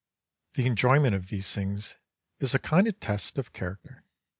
The enjoyment of these things is a kind of test of character.